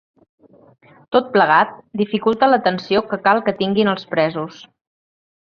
Tot plegat, dificulta l’atenció que cal que tinguin els presos.